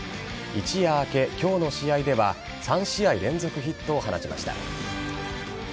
一夜明け、今日の試合では３試合連続ヒットを放ちました。